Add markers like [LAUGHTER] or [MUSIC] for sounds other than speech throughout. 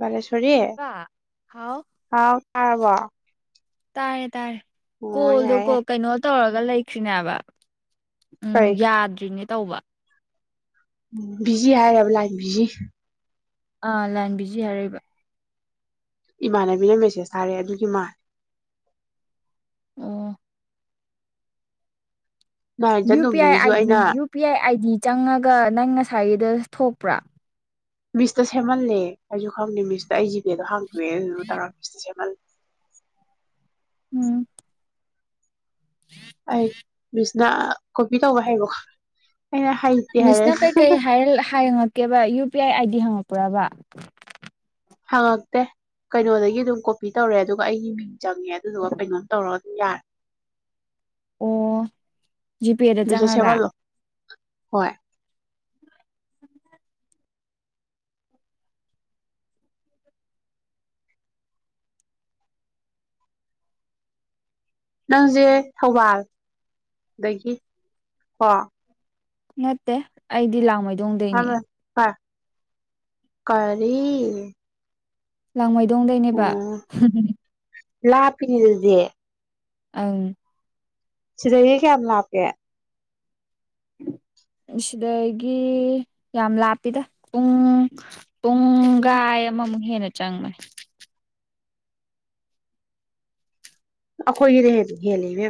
ꯕꯥꯂ‌ꯦꯁ‌ꯣꯔꯤ ꯁꯤꯜꯄꯥ ꯍꯥꯎ ꯍꯥꯎ ꯇꯥꯔꯕ‌ꯣ ꯇꯥꯔꯦ ꯇꯥꯔꯦ ꯀꯣꯜꯗ ꯌꯥꯏ ꯀꯣ ꯌꯥꯏ ꯀꯩꯅꯣ ꯇꯧꯔ ꯂꯩꯈꯔꯤꯅꯦ ꯍꯥꯏꯕ ꯎꯝ ꯀꯔꯤ ꯌꯥꯗ꯭ꯔꯤꯅꯤ ꯇꯧꯕ ꯕꯤꯖꯤ ꯍꯥꯏꯔꯦꯕ ꯂꯥꯏꯟ ꯕꯤꯖꯤ ꯑꯥ ꯂꯥꯟꯕꯤꯖꯤ ꯍꯥꯏꯔꯩꯏꯕ ꯏꯃꯥꯟꯅꯕꯤꯅ ꯃꯦꯁꯦꯁ ꯊꯥꯔꯛꯑꯦ ꯑꯗꯨꯒꯤ ꯃꯥꯜꯂ‌ꯦ ꯑꯣ ꯅꯥꯏꯟ ꯌꯨ ꯄꯤ ꯑꯥꯏ ꯆꯟꯇꯣꯝꯕꯤꯒꯤꯁꯨ ꯑꯥꯏꯗꯤ ꯑꯩꯅ ꯌꯨ ꯄꯤ ꯑꯥꯏ ꯑꯥꯏꯗꯤ ꯆꯪꯉꯒ ꯅꯪ ꯉꯁꯥꯏꯒꯤꯗ ꯊꯣꯛꯄ꯭ꯔꯥ ꯃꯤꯁꯇ ꯁꯦꯝꯍꯜꯂꯦ ꯑꯩꯁꯨ ꯈꯪꯗꯦ ꯃꯤꯁꯇ ꯑꯩ ꯖꯤꯄꯦꯗꯣ ꯍꯪꯉꯦ ꯇ‌ꯣꯛꯑ‌ꯦꯌꯦ ꯗꯨꯒꯥ ꯃꯤꯁꯇꯥ ꯁꯦꯝꯍꯜꯂꯦ ꯎꯝ ꯑꯩ ꯃꯤꯁꯅ ꯀꯣꯄꯤ ꯇꯧꯕ ꯍꯩꯕꯀꯣ ꯃꯤꯁꯅ ꯀꯩꯀꯩ ꯍꯥꯏꯔ ꯉꯛꯀꯦꯕ U P I I D ꯍꯪꯉꯛꯄꯔ꯭ꯕ ꯍꯪꯉꯛꯇꯦ ꯀꯩꯅꯣꯗꯒꯤ ꯑꯗꯨꯝ ꯀꯣꯄꯤ ꯇꯧꯔ‌ꯦ ꯑꯗꯨꯒ ꯑꯩꯒꯤ ꯃꯤꯡ ꯆꯪꯉꯦ ꯑꯗꯨꯗꯨꯒ ꯀꯩꯅꯣꯝ ꯇꯧꯔ ꯌꯥꯔ‌ꯦ ꯑꯣ ꯖꯤꯄꯦꯗ ꯃꯤꯁꯇ ꯆꯪꯉꯒ ꯁꯦꯝꯍꯜꯂꯣ ꯍꯣꯏ ꯅꯪꯁꯦ ꯊꯧꯕꯥꯜ ꯑꯗꯒꯤ ꯀꯣ ꯅꯠꯇꯦ ꯑꯩꯗꯤ ꯂꯥꯥꯡꯃꯩ ꯑ [INAUDIBLE] [UNINTELLIGIBLE] ꯀꯔꯤ ꯂꯥꯥꯡꯃꯩ ꯗꯣꯡꯗꯩꯅꯦꯕ ꯂꯥꯞꯄꯤꯅꯦ ꯑꯗꯨꯗꯤ ꯑ [INAUDIBLE] [UNINTELLIGIBLE] ꯁꯤꯗꯒꯤ ꯀꯌꯥꯝ ꯂꯞꯀꯦ ꯁꯤꯗꯒꯤ ꯌꯥꯝ ꯂꯥꯞꯄꯤꯗ ꯄꯨꯡ ꯎꯝ ꯄꯨꯡꯒꯥꯏ ꯑꯃꯃꯨꯛ ꯍꯦꯟꯅ ꯆꯥꯡꯅ ꯑꯩꯈꯣꯏꯒꯤꯗꯦ ꯍꯦꯜꯂꯤꯅꯦ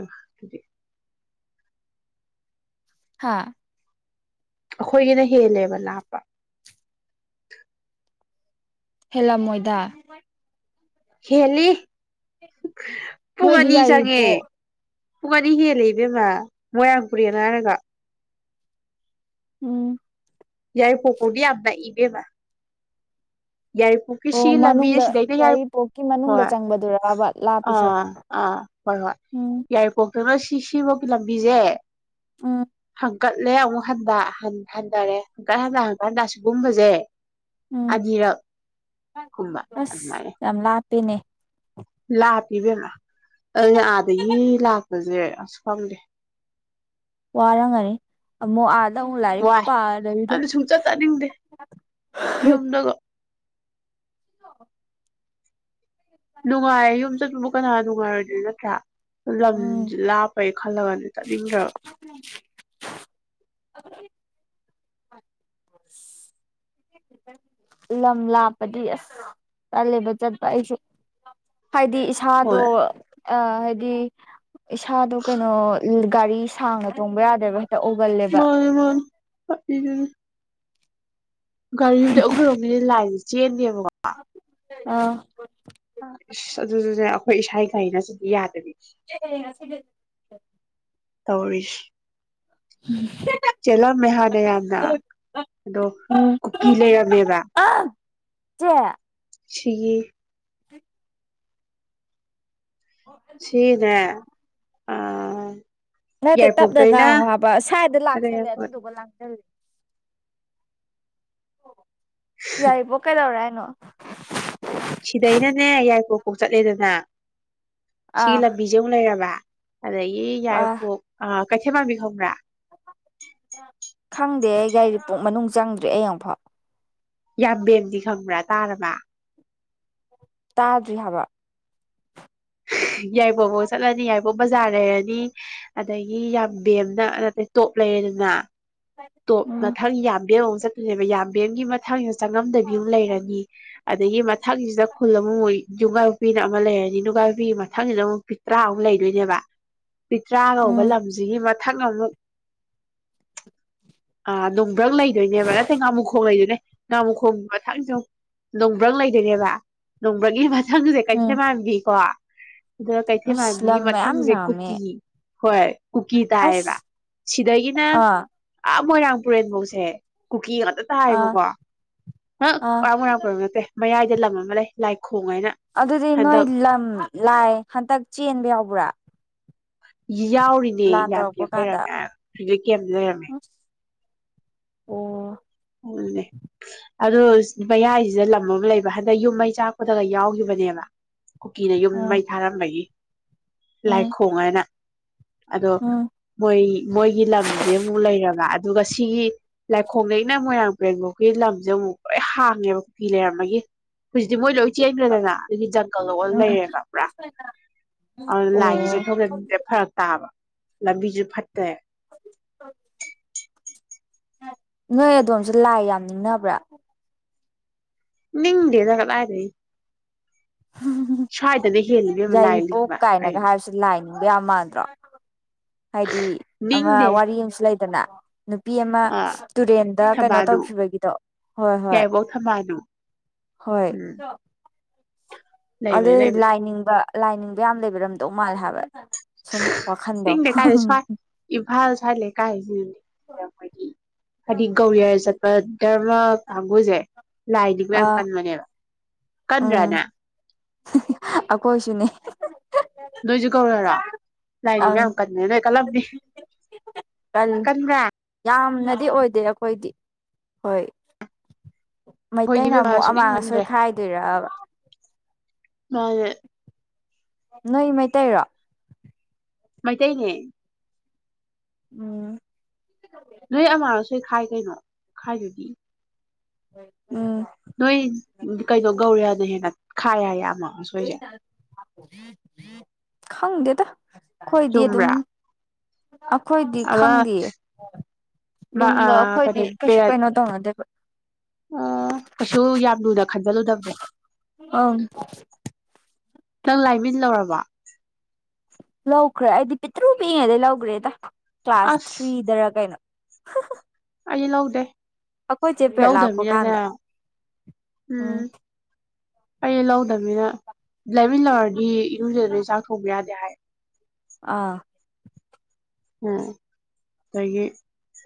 ꯍꯥꯥ ꯑꯩꯈꯣꯏꯒꯤꯅ ꯍꯦꯜꯂꯦꯕ ꯂꯥꯞꯄ ꯍꯦꯂ ꯃꯣꯏꯗꯥ ꯍꯦꯂꯤ ꯄꯨꯡ ꯅꯣꯏꯗꯤ ꯑꯅꯤ ꯆꯪꯉꯦ ꯌꯥꯏꯔꯤꯄꯣꯛ ꯄꯨꯡ ꯑꯅꯤ ꯍꯦꯜ ꯂꯩꯕꯦꯝꯃ ꯃꯣꯏꯔꯥꯡ ꯄꯨꯨꯔꯦꯅ ꯍꯥꯏꯔꯒ ꯎꯝ ꯌꯥꯏ ꯄꯣꯀꯣꯗꯤ ꯌꯥꯝ ꯅꯥꯛ ꯑ ꯏꯕꯦꯝꯃꯥ ꯌꯥꯏꯔꯤꯄꯣꯛꯀꯤ ꯑꯣ ꯁꯤꯒꯤ ꯂꯝꯕꯤ ꯃꯅꯨꯡꯗ ꯁꯤꯗꯩꯗ ꯌꯥ ꯌꯥꯏꯔꯤꯄꯣꯛꯀꯤ ꯃꯅꯨꯡꯗ ꯍꯣꯏ ꯆꯪꯕꯗꯨꯔꯕ ꯂꯥꯞꯄꯤꯁꯦ ꯑꯥ ꯑꯥ ꯍꯣꯏ ꯍꯣꯏ ꯎꯝ ꯌꯥꯏꯔꯤꯄꯣꯛ ꯊꯣꯏꯅꯣ ꯁꯤꯁꯤꯕ ꯄꯤ ꯂꯂꯝꯕꯤꯖꯦ ꯎꯝ ꯍꯪꯀꯠꯂꯦ ꯑꯃꯨꯛ ꯍꯟꯗꯔ꯭ꯦ ꯍꯟꯊꯔꯦ ꯍꯟꯀꯠ ꯍꯟꯊꯟꯀꯥꯟꯗ ꯑꯁꯤꯒꯨꯝꯕꯁꯦ ꯎꯝ ꯑꯅꯤꯔꯛ ꯀꯨꯝꯕ ꯑꯗꯨ ꯃꯥꯔꯦ ꯄꯅꯦ ꯂꯥ ꯄꯤꯕꯦ ꯃꯥ ꯑ ꯑꯗꯒꯤ ꯂꯛꯄ ꯃꯖ ꯑꯁ ꯈꯝꯗꯦ ꯋꯥꯔꯒꯅꯤ ꯑꯃꯨꯛ ꯑ ꯍꯨ ꯂꯥꯏꯔ ꯋꯥꯏ ꯄꯥꯗꯗ ꯑꯗꯨ ꯁꯨꯡꯆꯠ ꯆꯠꯅꯤꯡꯗꯦ ꯌꯨꯝꯗꯒ [INAUDIBLE] [UNINTELLIGIBLE] ꯃ ꯃꯈꯅ [INAUDIBLE] [UNINTELLIGIBLE] ꯅꯨꯡꯉꯥꯏꯔꯣꯏꯗꯣꯏ ꯅꯠꯇ꯭ꯔꯥ ꯂꯝ ꯎꯝ ꯂꯥꯞꯄꯦ ꯈꯜꯂꯒꯗꯤ ꯆꯥꯅꯤꯡꯗ ꯂꯝ ꯂꯥꯞꯄꯗꯤ ꯑꯁ ꯆꯂꯦꯕ ꯆꯠꯄ ꯑꯩꯁꯨ ꯍꯥꯏꯗꯤ ꯏꯁꯥꯗꯣ ꯍꯣꯏ ꯑ ꯍꯥꯏꯗꯤ ꯏꯁꯥꯗꯣ ꯀꯩꯅꯣ ꯒꯥꯔꯤ ꯁꯥꯡꯅ ꯆꯣꯡꯕ ꯌꯥꯗꯦꯕ ꯑꯣꯒꯜꯂꯦꯕ ꯃꯥꯣꯏ ꯃꯥ ꯍ [INAUDIBLE] [UNINTELLIGIBLE] ꯒꯥꯔꯤꯨꯗꯤ ꯑꯩꯈꯣꯏꯔꯣꯝ ꯃꯤꯅ ꯂꯥꯏꯔꯤꯁꯦ ꯆꯦꯟꯕꯤꯕ ꯑꯥ ꯑꯗꯨꯗꯨꯅꯦ ꯑꯩꯈꯣꯏ ꯏꯁꯥꯒꯤ ꯒꯥꯔꯤ ꯅꯠꯔꯗꯤ ꯌꯥꯗꯗꯤ ꯁꯤ ꯁꯤ [INAUDIBLE] [UNINTELLIGIBLE] ꯇꯧꯔꯤꯁ ꯎꯝ ꯆꯦꯜꯂꯝꯃꯦ ꯍꯥꯟꯅ ꯌꯥꯝꯅ ꯑꯗꯣ ꯎꯝ ꯀꯨꯀꯤ ꯂꯩꯔꯝꯃꯦꯕ ꯑ ꯆꯦ ꯁꯤꯌꯦ ꯍ [UNINTELLIGIBLE] [INAUDIBLE] ꯁꯤꯅꯦ ꯑ ꯅꯠꯇꯦ ꯇꯞꯅ ꯌꯥꯏꯔꯤꯄꯣꯛꯇꯩꯅ ꯉꯥꯡꯉꯣ ꯍꯥꯏꯕ ꯁ꯭ꯋꯥꯏꯗ ꯑꯗ ꯂꯥꯛꯁꯜꯂꯦ ꯌꯥꯏꯔꯤꯄꯣꯛ ꯑꯗꯨꯗꯨꯒ ꯂꯥꯡꯁꯜꯜꯂꯤ ꯑꯣ ꯌꯥꯏꯕ ꯀꯗꯧ꯭ꯔꯦ ꯅ ꯁꯤꯗꯩꯅꯅꯦ ꯌꯥꯏꯄꯣꯛ ꯐꯥꯎ ꯆꯠꯂꯦꯗꯅ ꯁꯤꯒꯤ ꯑꯥ ꯂꯝꯕꯤꯖꯧ ꯂꯩꯔꯕ ꯑꯗꯌꯦ ꯑꯥ ꯌꯥꯏꯔꯤꯄꯣꯛ ꯀꯩꯊꯦ ꯃꯔꯕꯤꯈꯪ꯭ꯔꯥ ꯈꯪꯗꯦ ꯑꯩ ꯒꯥꯔꯤ ꯄꯨꯡ ꯃꯅꯨꯡ ꯆꯪꯗ꯭ꯔꯦ ꯑ ꯑꯃꯨꯛꯐꯥꯎ ꯌꯥꯝꯕꯦꯝꯗꯤ ꯈꯪꯕ꯭ꯔꯥ ꯇꯥꯔꯔꯕ ꯇꯥꯗ꯭ꯔꯤ ꯍꯥꯏꯕ ꯌꯥꯏꯕꯣꯐꯥꯎ ꯆꯠꯂꯅꯤ ꯌꯥꯏꯕꯣꯝ ꯕꯖꯥꯔ ꯂꯩꯔꯅꯤ ꯑꯗꯒꯤ ꯌꯥꯝꯕꯦꯝꯅ ꯅꯇꯩꯦ ꯇꯣꯞ ꯂꯩꯔꯅꯤꯅ ꯇꯣ ꯎꯝ ꯃꯊꯪ ꯌꯥꯝꯗꯔ ꯆꯠꯄꯅꯦꯕ ꯌꯥꯝꯕꯦꯝꯒꯤ ꯃꯊꯪ ꯆꯪꯉꯝꯗꯕꯤ ꯑꯃ ꯂꯩꯔꯅꯤ ꯑꯗꯨꯗꯒꯤ ꯃꯊꯪꯁꯤꯗ ꯈꯨꯜ ꯑꯃꯨꯛ ꯃꯣꯏ ꯅꯨꯡꯒꯥ ꯅꯨꯄꯤꯅ ꯑꯃ ꯂꯩꯔꯅꯤ ꯅꯨꯡꯉ ꯅꯨꯄꯤꯒꯤ ꯃꯊꯪꯁꯤꯗ ꯑꯃꯨꯛ ꯐꯤ ꯇꯔꯥꯃꯨꯛ ꯂꯩꯗꯣꯏꯅꯦꯕ ꯄꯤ ꯇ꯭ꯔꯥ ꯀꯧꯕꯧꯕ ꯎꯝ ꯂꯝꯁꯤꯒꯤ ꯊꯪ ꯑꯃꯨ ꯑ ꯅꯣꯡꯕ꯭ꯔꯪ ꯂꯩꯗꯣꯏꯅꯦꯕ ꯅꯠꯇꯦ ꯉꯥꯃꯨꯈꯣꯡ ꯂꯩꯗꯣꯏꯅꯦ ꯉꯥꯃꯨꯈꯣꯡꯒꯤ ꯃꯊꯪꯁꯨ ꯅꯣꯡꯕ꯭ꯔꯪ ꯂꯩꯗꯣꯏꯅꯦꯕ ꯅꯣꯡꯕ꯭ꯔꯪꯒꯤꯊ ꯊꯪꯁꯦ ꯀꯩꯊꯦ ꯎꯝ ꯃꯥꯟꯕꯤꯀꯣ ꯑꯗ ꯀꯩꯊꯦꯜ ꯑꯁ ꯃꯥꯟꯕꯤꯒꯤ ꯂꯝ ꯃꯌꯥꯝ ꯃꯊꯪꯁꯦ ꯂꯥꯝꯃꯦ ꯀꯨꯀꯤ ꯍꯣꯏ ꯀꯨꯀꯤ ꯇꯥꯏꯑꯕ ꯑꯁ ꯁꯤꯗꯒꯤꯅ ꯑꯥ ꯇ ꯃꯣꯏ ꯔꯝꯄꯨꯔꯠ ꯃꯣꯡꯁꯦ ꯀꯨꯀꯤ ꯑꯥ ꯇꯥꯏꯌꯦꯕꯀꯣ ꯍꯪ ꯑꯥ ꯋꯥꯕꯨꯔꯥꯛꯄ꯭ꯔꯕ ꯅꯠꯇꯦ ꯃꯌꯥꯏꯗ ꯂꯝ ꯑꯃ ꯂꯩ ꯂꯥꯏ ꯑꯗꯨꯗꯤ ꯅꯣꯏ ꯂꯝ ꯂꯥꯏ ꯍꯟꯇꯛ ꯆꯦꯟꯕ ꯌꯥꯎꯕ꯭ꯔꯥ ꯌꯥꯎꯔꯤꯅꯦ ꯂꯥꯟ ꯌꯥꯝ ꯀꯦ ꯇꯧꯔꯛꯄ ꯀꯥꯟꯗ ꯂꯩꯔꯝꯃꯦ ꯍꯧꯗꯛ ꯀꯦꯝꯇ ꯂꯩꯔꯝꯃꯦ ꯑꯣ ꯎꯅꯦ ꯑꯗꯨ ꯃꯌꯥꯏꯁꯤꯗ ꯂꯝ ꯑꯃ ꯂꯩꯕ ꯍꯟꯗꯛ ꯌꯨꯝ ꯃꯩ ꯆꯥꯛꯄꯗꯒ ꯌꯥꯎꯈꯤꯕꯅꯦꯕ ꯀꯨꯀꯤꯅ ꯌꯨꯝ ꯎꯝ ꯃꯩ ꯊꯥꯔꯝꯕꯒꯤ ꯎꯝ ꯂꯥꯏꯈꯣꯡꯉꯅ ꯑꯗꯣ ꯎꯝ ꯃꯣꯏ ꯃꯣꯏꯒꯤ ꯂꯝꯁꯦ ꯑꯃꯨꯛ ꯂꯩꯔꯒ ꯑꯗꯨꯒ ꯁꯤꯒꯤ ꯂꯥꯏꯈꯣ ꯂꯩꯩ ꯑꯩꯅ ꯃꯣꯏꯔꯥꯡ ꯄꯔꯦꯟꯐꯥꯎꯒꯤ ꯂꯝꯁꯦ ꯑꯃꯨꯛ ꯂꯣꯏ ꯍꯥꯡꯉꯦꯕ ꯀꯨꯐ ꯂꯩꯔꯝꯃꯒ ꯍꯧꯖꯤꯛꯇꯤ ꯃꯣꯏ ꯂꯣꯏ ꯆꯦꯟꯗ꯭ꯔꯦꯗꯅ ꯑꯗꯨꯒꯤ ꯖꯪꯒꯜ ꯂ ꯂꯩꯔꯦꯕ ꯄꯨꯔꯥ ꯑꯗꯨꯅ ꯂꯥꯏꯒꯤꯁ ꯑꯣ ꯊꯣꯡꯖꯟꯁꯦ ꯐꯔꯛ ꯇꯥꯕ ꯂꯝꯕꯤꯁꯨ ꯐꯠꯇꯦ ꯅꯣꯏ ꯑꯗꯣꯝꯁꯨ ꯂꯥꯏ ꯌꯥꯝ ꯅꯤꯡꯅꯕ꯭ꯔꯥ ꯅꯤꯡꯗꯦꯗꯒꯂꯔꯦ ꯍꯝ ꯁ ꯌꯥꯏꯔꯤꯄꯣꯛ ꯀꯥꯏꯅꯒ ꯍꯥꯏꯕꯁꯤ ꯂꯥꯏꯅꯤ ꯃꯗ꯭ꯔꯣ ꯍꯥꯏꯗꯤ ꯑꯃ ꯅꯤꯡꯗꯦ ꯋꯥꯔꯤ ꯑꯃꯁꯨ ꯂꯩ ꯅ ꯅꯨꯄꯤ ꯑꯃ ꯑ ꯇꯨꯔꯦꯟꯗ ꯀꯩꯅꯣ ꯊꯝꯕꯥꯜꯅꯨ ꯇꯧꯈꯤꯕꯒꯤꯗꯣ ꯍꯣꯏ ꯍꯣꯏ ꯌꯥꯏꯔꯤꯄꯣꯛ ꯊꯝꯕꯥꯜꯅꯨ ꯍꯣꯏ ꯎꯝ ꯑꯗ ꯂꯩꯕꯅꯦ ꯂꯩꯕꯅꯦ ꯂꯥꯏꯅꯤꯡ ꯂꯥꯏꯅꯤꯡꯕ ꯌꯥꯝꯅ ꯂꯩꯕꯤꯔꯝꯗꯧ ꯃꯥꯜꯂꯦ ꯍꯥꯏꯕ ꯁꯨꯝ ꯋꯥꯈꯥꯟꯗ ꯊꯂ ꯀꯥꯏ ꯅ ꯑꯩꯈꯣꯏꯒꯤ ꯍꯥꯏꯗꯤ ꯒꯧꯔꯤꯌꯥꯔ ꯆꯠꯄ ꯇꯔ ꯄꯉꯣꯏꯖꯥꯏ ꯂꯥꯏꯗꯤ ꯃ ꯌꯥꯝ ꯑꯥ ꯀꯟꯕꯅꯦꯕ ꯀꯗ꯭ꯔꯅ ꯑ ꯀꯣꯏꯁꯨꯅꯦ ꯂꯣꯏꯁꯨ ꯀꯧꯔꯦꯔꯥ ꯂꯥꯏꯔꯤ ꯑꯪ ꯃꯌꯥꯝ ꯌꯥꯝ ꯀꯟꯅ ꯅꯣꯏ ꯀꯜꯂꯝꯅꯤ ꯀꯜꯂꯤ ꯀꯟꯒꯥ ꯌꯥꯝꯅꯗꯤ ꯑꯣꯏꯗꯦ ꯑꯩꯈꯣꯏꯗꯤ ꯍꯣꯏ ꯑꯩꯈꯣꯏꯗꯤ ꯃꯩꯇꯩꯅ ꯏꯕꯦꯝꯃ ꯑꯃꯨꯛ ꯁꯨꯛꯅꯤꯡ ꯑꯃꯥꯡ ꯑꯁꯣꯏ ꯅꯤꯡꯗ꯭ꯔꯦ ꯈꯥꯏꯗꯣꯏꯔꯕ ꯑꯦ ꯅꯣꯏ ꯃꯩꯇꯩꯔꯣ ꯃꯩꯇꯩꯅꯦ ꯎꯝ ꯅꯣꯏ ꯑꯃꯔꯁꯣꯏ ꯈꯥꯏ ꯀꯩꯅꯣ ꯈꯥꯏꯗꯨꯗꯤ ꯍꯣꯏ ꯅꯣꯏ ꯀꯩꯗꯣꯒꯧꯔꯤ ꯑ ꯑꯗꯨ ꯍꯦꯉꯦ ꯈꯌꯦꯃ [INAUDIBLE] ꯐꯪꯒꯦꯗ ꯈꯣꯏꯣꯏꯗꯤꯦ ꯑꯗꯨꯝ ꯆꯨꯝꯕ꯭ꯔꯥ ꯑꯩꯈꯣꯏꯗꯤ ꯑꯃ ꯈꯪꯗꯌꯦ ꯌꯨꯝꯗ ꯑꯩꯈꯣꯏꯗꯤ ꯀꯩꯅꯣ ꯀ ꯄꯦꯔꯠ ꯀꯩꯅꯣ ꯇꯧꯅꯗꯦꯕ ꯑ ꯀꯁ ꯌꯥꯗꯗꯗ ꯑ ꯅꯪ ꯂꯥꯏꯃꯤꯟ ꯂꯧꯔꯕ ꯂꯧꯈ꯭ꯔꯦ ꯑꯩꯗꯤ ꯄꯤꯇ꯭ꯔꯨ ꯄꯤꯛꯉꯦꯗꯩ ꯂꯧꯈ꯭ꯔꯦꯗ ꯀ꯭ꯂꯥꯁ ꯑꯁ ꯊ꯭ꯔꯤꯗ ꯀꯩꯅꯣ ꯑꯩ ꯂꯧꯗꯦ ꯑꯩꯈꯣꯏ ꯆꯦꯄꯦꯠ ꯂꯥꯛꯄ ꯂꯧꯗꯕꯅꯤꯅꯅꯦ ꯀꯥꯟꯗ ꯎꯝ ꯑꯩ ꯂꯧꯗꯕꯅꯤꯅ ꯂꯩꯃꯤꯟ ꯂꯧꯔꯗꯤ ꯏꯨꯝꯁꯤꯗꯩ ꯆꯥꯛ ꯊꯣꯡꯕ ꯌꯥꯗꯦ ꯍꯥꯏ ꯑꯥ ꯎꯝ ꯑꯗꯒꯤ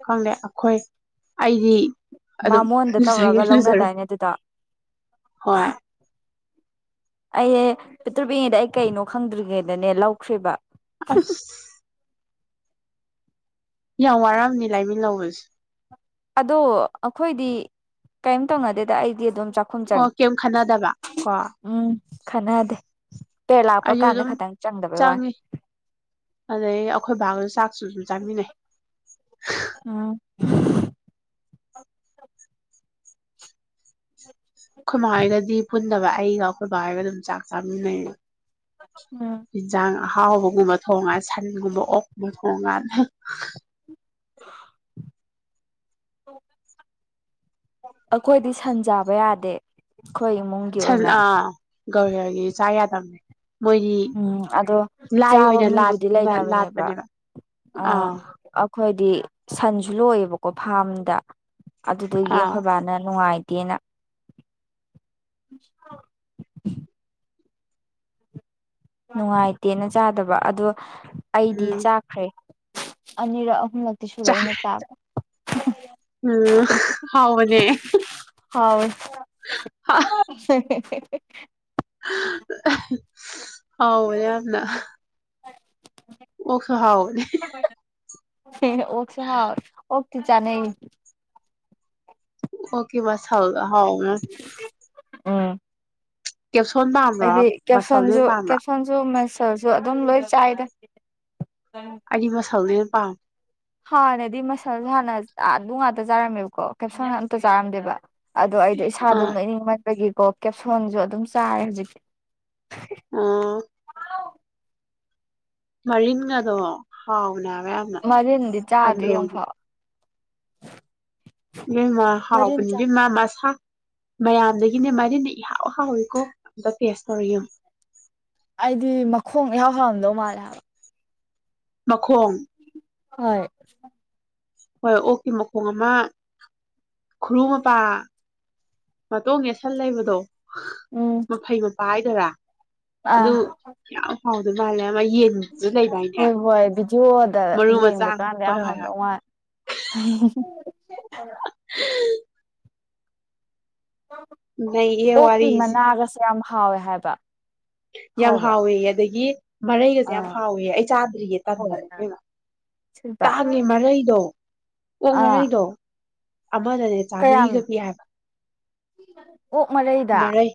ꯈꯪꯪꯂꯗꯦ ꯑꯩꯈꯣꯏ ꯑꯩꯗꯤ ꯑꯗꯨꯝ ꯕꯥꯃꯣꯟꯗ ꯂꯨꯖꯒꯦ ꯇꯧꯔꯒ ꯂꯨꯖꯔꯣꯏ ꯂꯧꯅꯗꯥꯏꯅꯦ ꯑꯗꯨꯗ ꯍꯣꯏ ꯑꯩ ꯄꯤꯛꯇ꯭ꯔ ꯄꯤꯛꯉꯩꯗ ꯑꯩ ꯀꯩꯅꯣ ꯈꯪꯗ꯭ꯔꯤꯉꯩꯗꯅꯦ ꯂꯧꯈ꯭ꯦꯔꯤꯕ ꯑꯁ ꯌꯥꯝ ꯋꯥꯔꯝꯅꯤ ꯂꯥꯏꯃꯤꯟꯅꯧꯕꯁꯦ ꯑꯗꯣ ꯑꯩꯈꯣꯏꯗꯤ ꯀꯔꯤꯝ ꯇꯧꯅꯗꯦꯗ ꯑꯩꯗꯤ ꯑꯗꯨꯝ ꯆꯥꯛꯈꯨꯝ ꯑꯣ ꯆꯪꯉꯤ ꯀꯩꯝ ꯈꯟꯅꯗꯕ ꯀꯣ ꯈꯅꯥꯗꯦ ꯑꯩꯁꯨ ꯑꯗꯨꯝ ꯆꯪꯉꯤ ꯑꯗꯩ ꯑꯩꯈꯣꯏ ꯚꯕꯥꯒꯗ ꯆꯥꯛꯁꯨ ꯑꯗꯨꯝ ꯆꯥꯃꯤꯟꯅꯩ ꯑꯥ ꯑꯩꯈꯣꯏꯃ ꯍꯥꯏꯔꯒꯗꯤ ꯄꯨꯟꯗꯕ ꯑꯩꯒ ꯑꯩꯈꯣꯏꯕꯥ ꯍꯥꯏꯔꯒ ꯑꯗꯨꯝ ꯆꯥꯛ ꯎꯝ ꯆꯥꯃꯤꯟꯅꯩꯌꯦ ꯖꯥꯡ ꯑꯍꯥꯎꯕꯒꯨꯝꯕ ꯊꯣꯡꯉꯀꯥꯟꯗ ꯁꯟꯒꯨꯝꯕ ꯑꯣꯛꯀꯨꯝꯕ ꯊꯣꯡꯀꯥꯟꯗ ꯑꯩꯈꯣꯏꯗꯤ ꯁꯟ ꯆꯥꯕ ꯌꯥꯗꯦ ꯑꯩꯈꯣꯏ ꯏꯃꯨꯡꯒꯤ ꯑꯣꯏꯅ ꯒꯧꯔꯤꯔꯒꯤ ꯆꯥ ꯌꯥꯗꯕꯅꯦ ꯃꯣꯏꯗꯤ ꯎꯝ ꯑꯗꯣ ꯂꯥꯏ ꯆꯥꯕ ꯑꯣꯏꯅ ꯃꯤꯕꯨꯗꯤ ꯂꯥꯠꯅ ꯂꯩꯅꯕꯅꯦꯕ ꯂꯥꯠꯄꯅꯦꯕ ꯑ ꯑꯥ ꯑꯩꯈꯣꯏ ꯗꯤ ꯁꯟꯁꯨ ꯂꯣꯏꯑꯦꯕꯀꯣ ꯐꯥꯔꯝꯗ ꯑꯗꯨꯗꯒꯤ ꯑꯥ ꯑꯩꯈꯣꯏ ꯕꯥꯅ ꯅꯨꯡꯉꯥꯏꯇꯦ ꯀꯅ ꯅꯨꯡꯉꯥꯏꯇꯦꯅ ꯆꯥꯗꯕ ꯑꯗꯣ ꯑꯩꯗꯤ ꯎꯝ ꯆꯥꯈ꯭ꯔꯦ ꯑꯅꯤꯔ ꯍ ꯅꯛꯇꯤ ꯁꯨꯔꯦ ꯆꯥ ꯑꯩꯅ ꯆꯥꯕ ꯎꯝ ꯍꯥꯎꯅꯦ ꯍꯥꯎ [INAUDIBLE] ꯎ [INAUDIBLE] ꯍꯥꯎ ꯑꯣ ꯌꯥꯅ [INAUDIBLE] ꯑꯣꯁꯨ ꯍꯥꯎ ꯑꯣ ꯊ ꯆꯅꯦ ꯑꯣꯀꯦ ꯃꯥꯁ ꯍ ꯍꯥꯎ ꯎꯝ ꯄꯥꯝꯕ꯭ꯔꯣ ꯑꯩꯗꯤ ꯃꯁꯜꯅ ꯀꯦꯞꯁꯣꯟꯖꯨ ꯍꯦꯟꯅ ꯄꯥꯝꯕ꯭ꯔꯣ ꯀꯦꯞꯁꯟꯖꯨ ꯃꯁ ꯁꯜꯖꯨ ꯑꯗꯨꯝ ꯂꯣꯏ ꯆꯥꯏꯗ ꯑꯩꯗꯤ ꯃꯁꯜꯖꯦ ꯑꯣꯏ ꯄꯥꯥꯝ ꯍꯥꯟꯅꯗꯤ ꯃꯁꯜ ꯍꯥꯟꯅ ꯑꯥꯗꯨ ꯉꯥꯛꯇ ꯆꯥꯔꯝꯃꯦꯕꯀꯣ ꯀꯦꯞꯁꯟ ꯑꯝꯇ ꯆꯥꯔꯝꯗꯦꯕ ꯑꯗꯣ ꯑꯩꯗꯤ ꯏꯁꯥꯗꯣ ꯑꯥ ꯅꯣꯏꯅꯤꯡꯃꯟ ꯕꯒꯤꯀꯣ ꯀꯦꯞꯁꯣꯟꯁꯨ ꯑꯗꯨꯝ ꯆꯥꯔꯦ ꯍꯧꯖꯤꯛꯇꯤ ꯑꯣ ꯃꯔꯤꯟꯒꯗꯣ ꯍꯥꯎꯕꯅꯦ ꯍꯥꯏꯕ ꯌꯥꯝꯅ ꯃꯔꯤꯟꯗꯤ ꯆꯥꯗ꯭ꯔꯤ ꯑꯟꯗ꯭ꯔꯣꯒꯤ ꯑꯝꯐꯥꯎ ꯏꯕꯦꯝꯃ ꯃꯔꯤꯟ ꯍꯥꯎꯕꯅꯤ ꯆꯥ ꯏꯕꯦꯝꯃ ꯃꯁꯥ ꯃꯌꯥꯝꯗꯒꯤꯅꯦ ꯃꯔꯤꯅ ꯏꯍꯥꯎꯍꯥꯎꯋꯤꯀꯣ ꯑꯝꯇ ꯇꯦꯁ ꯇꯧꯔ ꯌꯦꯡꯎ ꯑꯩꯗꯤ ꯃꯈꯣꯡ ꯏꯍꯥꯎ ꯍꯥꯎꯔꯝꯗꯧ ꯃꯥꯜꯂꯦ ꯍꯥꯏꯕ ꯃꯈꯣꯡ ꯍꯣꯏ ꯍꯣꯏ ꯑꯣꯛꯀꯤ ꯃꯈꯣꯡ ꯑꯃ ꯈꯨꯔꯨ ꯃꯄꯥ ꯃꯇꯣꯡ ꯌꯦꯁꯟ ꯂꯩꯕꯗꯣ ꯎꯝ ꯃꯐꯩ ꯃꯄꯥ ꯗꯔꯥ ꯑꯥ ꯑꯗꯨ ꯌꯥꯝ ꯍꯥꯎꯗꯣꯏ ꯃꯥꯜꯂꯦ ꯑꯃ ꯌꯦꯟꯁꯨ ꯂꯩꯗꯥꯏꯅꯦ ꯍꯣꯏ ꯍꯣꯏ ꯚꯤꯗꯤꯑꯣꯗ ꯃꯔꯨ ꯃꯆꯥ ꯌꯦꯡꯕ ꯀꯥꯟꯗ ꯍꯣꯏ ꯌꯥꯝ ꯍꯣꯏ ꯍꯣꯏ ꯍꯥꯎꯔꯝꯗꯧ ꯃꯥꯜ ꯍ ꯍꯦ ꯍꯤꯍꯤ [UNINTELLIGIBLE] ꯅꯩꯔꯤꯌꯦ ꯑꯣꯛꯀꯤ ꯋꯥꯔꯤꯁꯤ ꯃꯅꯥꯒꯁꯦ ꯌꯥꯝ ꯍꯥꯎꯋꯦ ꯍꯥꯏꯕ ꯌꯥꯝ ꯍꯥꯎꯕ꯭ꯔꯥ ꯍꯥꯎꯋꯦꯌꯦ ꯑꯗꯒꯤ ꯃꯔꯩꯒꯁꯦ ꯌꯥꯝ ꯑꯥ ꯍꯥꯎꯋꯦ ꯑꯩ ꯆꯥꯗ꯭ꯔꯤꯌꯦ ꯍꯣꯏ ꯇꯟꯗꯅ ꯏꯕꯦꯝꯃ ꯁꯤꯜꯄꯥ ꯇꯥꯡꯉꯦ ꯃꯔꯩꯗꯣ ꯑꯣꯛ ꯑꯥ ꯃꯔꯩꯗꯣ ꯑꯃꯗꯅꯦ ꯀꯌꯥꯝ ꯆꯥꯝꯃꯔꯤꯒ ꯄꯤ ꯍꯥꯏꯕ ꯑꯣꯛ ꯃꯔꯩꯗ ꯃꯔꯩ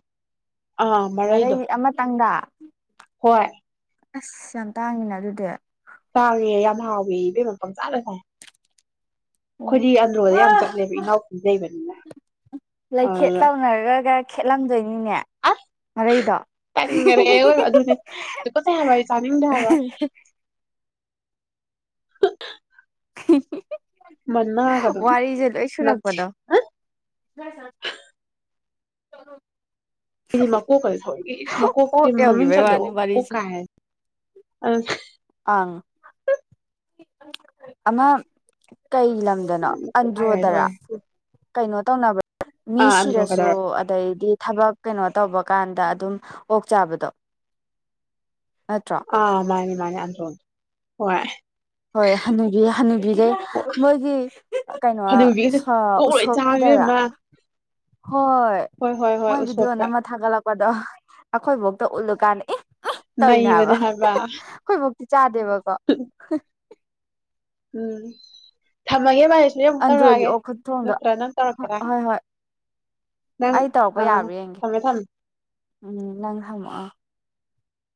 ꯑꯥ ꯃꯔꯩ ꯃꯔꯩꯗꯣ ꯑꯃꯇꯪꯗ ꯍꯣꯏ ꯑꯁ ꯌꯥꯝ ꯇꯥꯡꯉꯤꯅ ꯑꯗꯨꯗꯤ ꯇꯥꯡꯉꯦ ꯌꯥꯝ ꯍꯥꯎꯋꯦꯌꯦ ꯏꯕꯦꯝꯃ ꯄꯪꯆꯥꯗ ꯆꯥꯏ ꯑꯩꯈꯣꯏꯗꯤ ꯑꯟꯗ꯭ꯔꯣꯗ ꯌꯥꯝ ꯆꯠꯂꯦꯕ ꯏꯅꯥꯎꯄꯤ ꯂꯩꯕꯅꯤꯅ ꯑ ꯂꯩꯈꯦꯠ ꯇꯧꯅꯔꯒ ꯈꯦꯠꯂꯝꯗꯣꯏꯅꯤꯅꯦ ꯃꯔꯩꯗꯣ ꯍꯤ ꯇꯟꯒꯔꯦꯕ ꯍꯤ ꯑꯗꯨꯅꯦ ꯍꯤꯍꯤꯍꯤ ꯇꯨꯀꯠꯆꯩ ꯍꯥꯏꯕ ꯑꯩ ꯑ ꯆꯥꯅꯤꯡꯗꯦ ꯍꯥꯏꯕ ꯍ ꯍ ꯍꯨꯝ ꯃꯅꯥꯒꯗꯣ ꯋꯥꯔꯤꯁꯦ ꯂꯣꯏ ꯅꯞꯊꯤ ꯁꯨꯔꯛꯄꯗꯣ ꯆꯔꯣ ꯁꯤꯗꯤ ꯃꯀꯣꯛ ꯀꯔꯤ ꯊꯧꯋꯦ ꯏꯁ ꯃꯀꯣꯛꯁꯦ ꯑꯣꯛ ꯃꯃꯤꯡ ꯌꯧꯈꯤꯕꯩ ꯆꯠꯂꯦꯕ ꯋꯥꯅꯤ ꯃꯀꯣꯛ ꯀꯥꯏ ꯍꯥꯏ ꯑ ꯑ ꯑꯃ ꯀꯩ ꯂꯝꯗꯅꯣ ꯍꯥꯏꯔꯦ ꯑꯟꯗ꯭ꯔꯣꯗꯔꯥ ꯂꯣꯏꯔꯦ ꯀꯩꯅꯣ ꯇꯧꯅꯕ꯭ꯔ ꯃꯤ ꯑꯥ ꯑꯟꯗ꯭ꯔꯣ ꯁꯤꯔꯁꯨ ꯀꯗꯔꯣ ꯑꯗꯩꯗꯤ ꯊꯕꯛ ꯀꯩꯅꯣ ꯇꯧꯕ ꯀꯥꯟꯗ ꯑꯗꯨꯝ ꯑꯣꯛ ꯆꯥꯕꯗꯣ ꯅꯠꯇ꯭ꯔꯣ ꯑ ꯃꯥꯅꯦ ꯃꯥꯅꯤ ꯍ ꯍꯣꯏ ꯍꯕꯤ ꯍꯅꯕꯤꯈꯩ ꯃꯣꯏꯒꯤ ꯀꯩꯅꯣ ꯍꯅꯨꯕꯤꯒꯁꯦ ꯑꯣꯛ ꯂꯣꯏ ꯆꯥꯕ ꯎꯁꯣꯞꯀꯤꯗꯔꯥ ꯏꯕꯦꯝꯃ ꯍꯣꯏ ꯍꯣꯏ ꯍꯣꯏ ꯍꯣꯏ ꯃꯣꯏ ꯤꯗꯤꯑꯣ ꯎꯁꯣꯞꯇ ꯅꯥ ꯃ ꯊꯒꯂ ꯗꯣ ꯑꯩꯈꯣꯏ ꯃꯧꯇ ꯎꯠꯂꯨꯀꯥꯟꯗ ꯑꯦ ꯇꯧꯅꯦ ꯍꯥꯏꯕ ꯑꯩꯈꯣꯏꯐꯧꯇꯤ ꯆꯥꯗꯦꯕꯀꯣ ꯎꯝ ꯊꯃꯒꯦ ꯑꯟꯗ꯭ꯔꯣꯏꯒꯤ ꯑꯣ ꯈꯨꯠꯊꯣꯡꯗ ꯇꯧꯔꯛꯀꯦꯔꯥ ꯍꯣꯏ ꯍꯣꯏ ꯅꯪ ꯑꯩ ꯇꯧꯔꯛꯄ ꯑꯥ ꯌꯥꯕ꯭ꯔꯥ ꯌꯦꯡꯒꯦ ꯊꯝꯃꯦ ꯊꯝꯃꯦ ꯎꯝ ꯅꯪ ꯍꯪꯃꯑꯣ